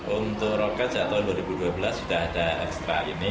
untuk roket sejak tahun dua ribu dua belas sudah ada ekstra ini